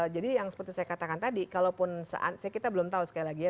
jadi yang seperti saya katakan tadi kalaupun saat kita belum tahu sekali lagi ya